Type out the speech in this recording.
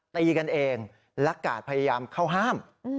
ตีกันเองและกาดพยายามเข้าห้าม